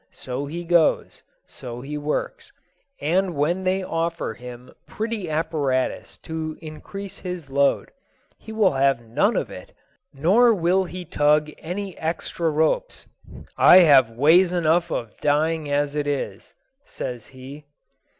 So he goes; so he works. And when they offer him pretty apparatus to increase his load, he will have none of it. Nor will he tug any extra ropes. "I have ways enough of dying as it is," says he.